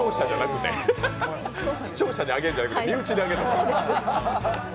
視聴者にあげるんじゃなくて身内にあげるの？